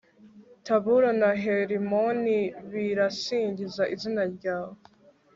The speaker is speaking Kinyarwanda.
taboru na herimoni birasingiza izina ryawe